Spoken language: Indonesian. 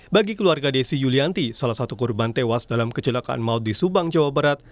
bagi keluarga desi yulianti salah satu korban tewas dalam kecelakaan maut di subang jawa barat